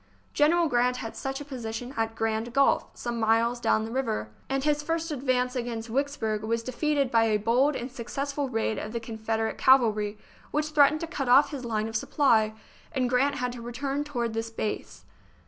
General Grant had such a posi tion at Grand Gulf, some miles down the river, and his first advance against Vicksburg was de THE BOOK OF FAMOUS SIEGES feated by a bold and successful raid of the Con federate cavalry, which threatened to cut off his line of supply, and Grant had to return toward this base.